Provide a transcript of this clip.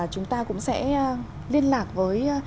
chúng ta cũng sẽ liên lạc với